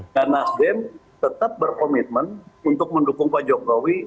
dan nasdem tetap berkomitmen untuk mendukung pak jokowi